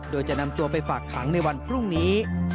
โดยจะนำตัวไปฝากขังในวันพรุ่งนี้